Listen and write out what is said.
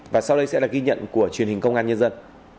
và sau đây sẽ là ghi nhận của truyền hình công an nhân dân